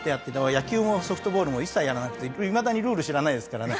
野球もソフトボールも一切やらなくていまだにルール知らないですからね。